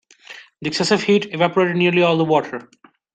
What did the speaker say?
The excessive heat evaporated nearly all the water.